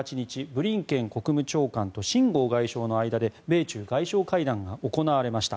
ブリンケン国務長官とシン・ゴウ外相の間で米中外相会談が行われました。